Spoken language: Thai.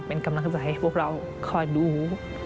เป็นกำลังใจให้พวกเราคอยดู